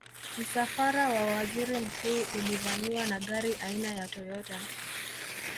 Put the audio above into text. msafara wa waziri mkuu ulivamiwa na gari aina ya toyota